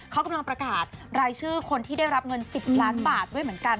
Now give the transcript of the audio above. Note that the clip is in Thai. เขากำลังประกาศรายชื่อคนที่ได้รับเงิน๑๐ล้านบาทด้วยเหมือนกัน